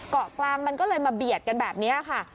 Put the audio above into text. เกาะกลางมันก็เลยมาเบียดกันแบบนี้ค่ะ